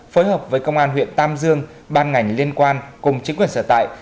phối hợp với công an huyện tam dương ban ngành liên quan cùng chính quyền sở tại